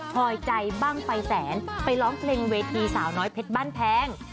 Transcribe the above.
พอยใจบ้างไฟแสนไปร้องเพลงเวทีสาวน้อยเพชรบ้านแพง